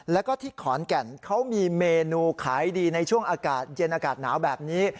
แล้วก็ที่ขอนแก่นเขามีเมนูขายดีในช่วงอากาศเย็นอากาศหนาวแบบนี้